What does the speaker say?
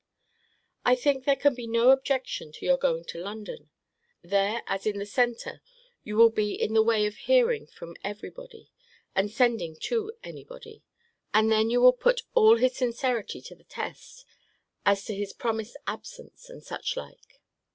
I think there can be no objection to your going to London. There, as in the centre, you will be in the way of hearing from every body, and sending to any body. And then you will put all his sincerity to the test, as to his promised absence, and such like.